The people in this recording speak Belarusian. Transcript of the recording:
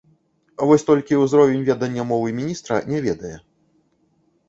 Вось толькі ўзровень ведання мовы міністра не ведае.